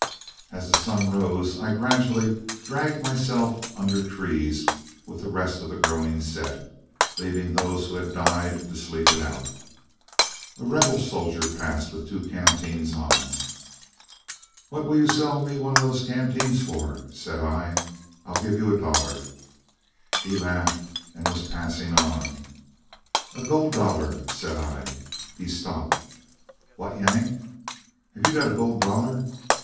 As the sun rose, I gradually dragged myself under trees with the rest of the groaning set, leaving those who had died to sleep it out. A rebel soldier passed with two canteens on. "What will you sell me one of those canteens for?" said I. "I'll give you a dollar." He laughed and was passing on. "A gold dollar," said I. He stopped: "What, Yank! Have you got a gold dollar?"